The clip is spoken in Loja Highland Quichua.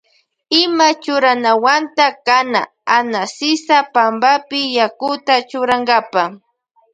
Ima churanawanta kana Ana sisa pampapi yakuta churankapa.